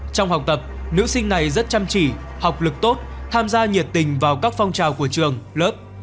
trong học tập nữ sinh này rất chăm chỉ học lực tốt tham gia nhiệt tình vào các phong trào của trường lớp